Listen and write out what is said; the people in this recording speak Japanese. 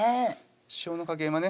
塩の加減はね